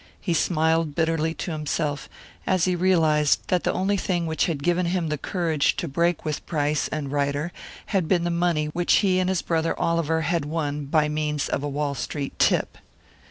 He smiled bitterly to himself as he realised that the only thing which had given him the courage to break with Price and Ryder had been the money which he and his brother Oliver had won by means of a Wall Street "tip."